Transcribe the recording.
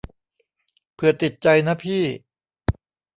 เผื่อติดใจนะพี่